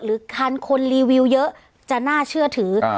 หรือทานคนรีวิวเยอะจะน่าเชื่อถืออ่า